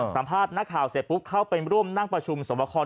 สัมภาษณ์นักข่าวเสร็จปุ๊บเข้าไปร่วมนั่งประชุมสวบคอ